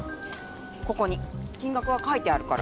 ここに金額が書いてあるから。